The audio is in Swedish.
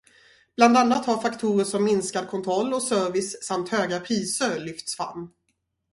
Bland annat har faktorer som minskad kontroll och service samt höga priser lyfts fram.